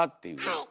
はい。